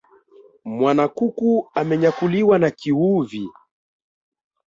Mwanakuku amenyakuliwa na kiuvi